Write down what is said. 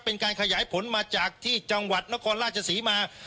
เป็นการขยายผลมาจากที่จังหวัดนครราชศรีมา